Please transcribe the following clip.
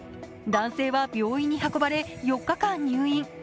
男性は病院に運ばれ、４日間入院。